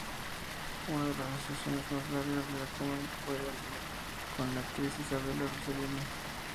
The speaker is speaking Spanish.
Una de las asociaciones más largas de Lancôme fue con la actriz Isabella Rossellini.